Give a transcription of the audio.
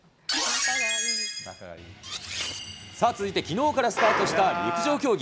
さあ、続いてきのうからスタートした陸上競技。